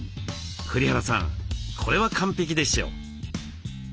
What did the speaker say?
栗原さんこれは完璧でしょう？